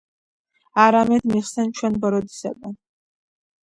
არამედ მიხსენ ჩუენ ბოროტისაგან